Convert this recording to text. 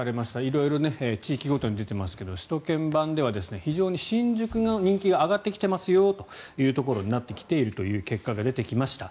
色々、地域ごとに出ていますが首都圏版では非常に新宿の人気が上がってきてますというところになっているという結果が出てきました。